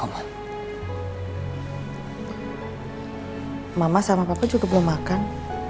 mama sama papa juga belum makan